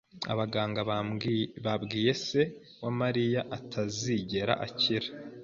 Abaganga babwiye se wa Mariya atazigera akira.